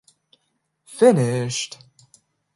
Finished.